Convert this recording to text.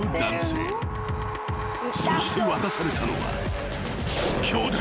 ［そして渡されたのは］